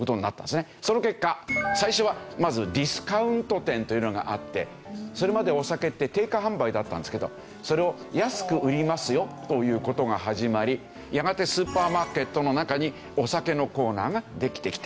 その結果最初はまずディスカウント店というのがあってそれまでお酒って定価販売だったんですけどそれを安く売りますよという事が始まりやがてスーパーマーケットの中にお酒のコーナーができてきた。